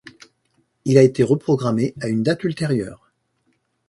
Il a été reprogrammé à une date ultérieure.